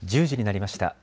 １０時になりました。